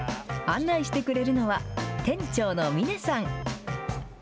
案内してくれるのは店長の峯さん。